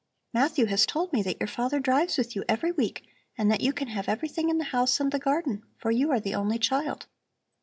Matthew has told me that your father drives with you every week and that you can have everything in the house and in the garden, for you are the only child."